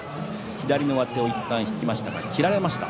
左の上手をいったん引きましたが切られました。